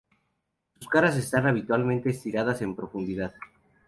Sus caras están habitualmente estriadas en profundidad.